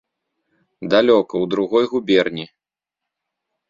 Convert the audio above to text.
Далёка, у другой губерні.